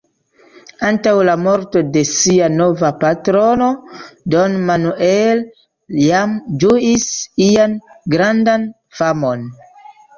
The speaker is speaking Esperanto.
Antaŭ la morto de sia nova patrono, Don Manuel jam ĝuis ian grandan famon.